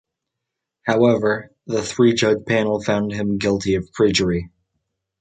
However, the three-judge panel found him guilty of perjury.